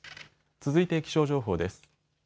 続いて気象情報です。